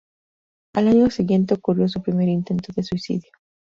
Al año siguiente ocurrió su primer intento de suicidio.